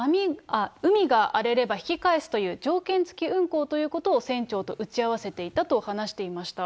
海が荒れれば引き返すという条件付き運航ということを船長と打ち合わせていたと話していました。